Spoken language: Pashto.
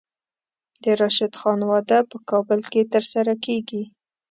د راشد خان واده په کابل کې ترسره کیږي.